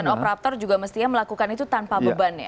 dan operator juga mestinya melakukan itu tanpa beban ya